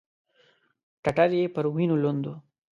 ټټر يې پر وينو لوند و.